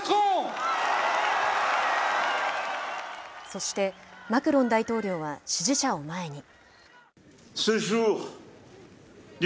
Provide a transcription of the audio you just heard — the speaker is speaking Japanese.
そして、マクロン大統領は支持者を前に。